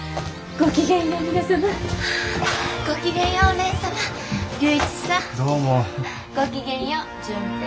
ごきげんよう。